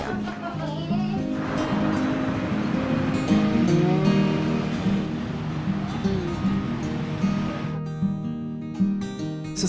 asep menempatkan buku buku untuk dibaca